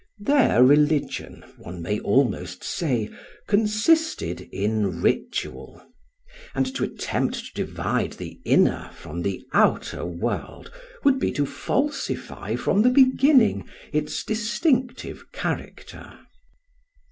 Their religion, one may almost say, consisted in ritual; and to attempt to divide the inner from the outer would be to falsify from the beginning its distinctive character.